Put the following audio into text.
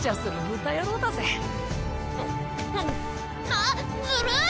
あっずるい！